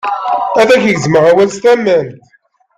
Ad ak-gezmeɣ awal s tament.